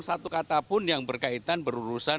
satu kata pun yang berkaitan berurusan